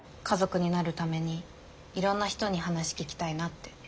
家族になるためにいろんな人に話聞きたいなって。